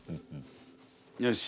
よし。